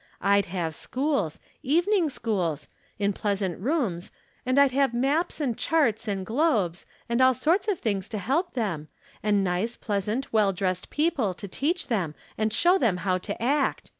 I'd have schools — evening schools — ^in pleasant rooms, and I'd have maps, and charts, and globes, and all sorts of things to help them, and nice, pleasant, well dressed people to teach them and to shew them how to act.